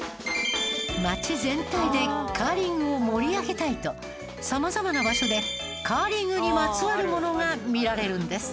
町全体でカーリングを盛り上げたいとさまざまな場所でカーリングにまつわるものが見られるんです。